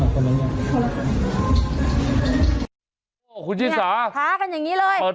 คริสสาหากันอย่างงี้เลย